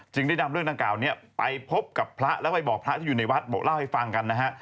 ได้นำเรื่องดังกล่าวนี้ไปพบกับพระแล้วไปบอกพระที่อยู่ในวัดบอกเล่าให้ฟังกันนะฮะ